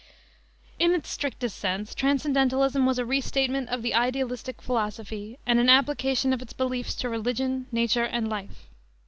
In its strictest sense Transcendentalism was a restatement of the idealistic philosophy, and an application of its beliefs to religion, nature, and life.